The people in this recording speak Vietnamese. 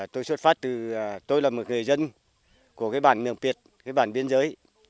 tôi xuất phát từ tôi là một người dân của cái bản miệng việt cái bản biên giới